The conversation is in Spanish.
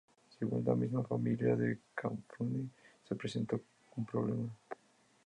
Según la misma familia de Cafrune, se presentó un problema.